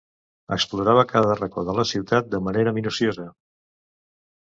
Explorava cada racó de la ciutat de manera minuciosa.